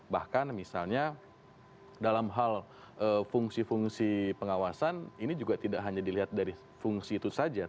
bahkan misalnya dalam hal fungsi fungsi pengawasan ini juga tidak hanya dilihat dari fungsi itu saja